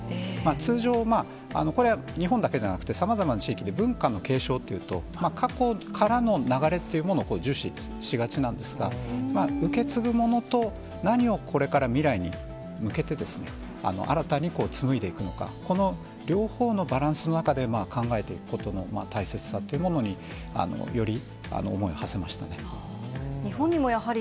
通常、これ、日本だけじゃなくて、さまざまな地域で、文化の継承というと、過去からの流れっていうものを重視しがちなんですが、受け継ぐものと何をこれから未来に向けてですね、新たに紡いでいくのか、この両方のバランスの中で考えていくことの大切さというものに、日本にもやはり、